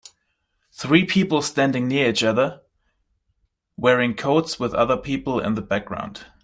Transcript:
three people standing near each other wearing coats with other people in the background